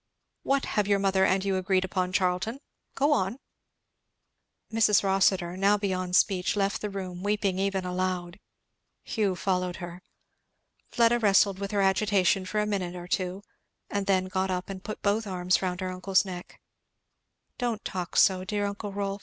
What have your mother and you agreed upon, Charlton? go on!" Mrs. Rossitur, now beyond speech, left the room, weeping even aloud. Hugh followed her. Fleda wrestled with her agitation for a minute or two, and then got up and put both arms round her uncle's neck. "Don't talk so, dear uncle Rolf!